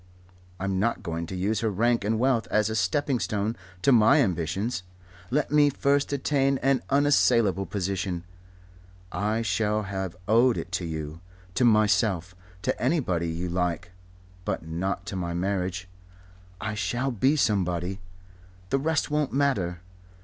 I'm not going to use her rank and wealth as a stepping stone to my ambitions. Let me first attain an unassailable position. I shall have owed it to you, to myself, to anybody you like but not to my marriage. I shall be somebody. The rest won't matter.